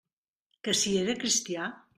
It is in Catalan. Que si era cristià?